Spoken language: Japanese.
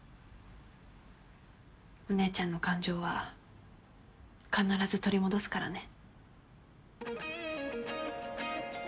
お姉ちゃんの感情は必ず取り戻すからね。